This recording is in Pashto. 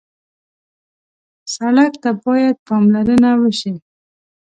سړک ته باید پاملرنه وشي.